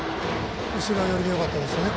後ろ寄りでよかったですね。